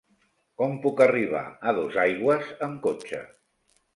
Com puc arribar a Dosaigües amb cotxe?